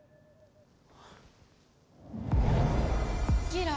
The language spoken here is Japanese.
ギラ。